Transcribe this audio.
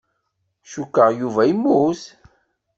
Cikkeɣ Yuba yemmut.